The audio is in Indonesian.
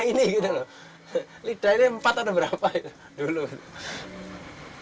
lidah ini empat atau berapa